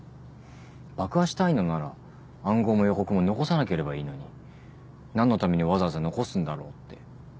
爆破したいのなら暗号も予告も残さなければいいのに何のためにわざわざ残すんだろうって。